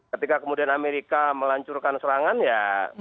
ketika kemudian amerika melancurkan serangan ya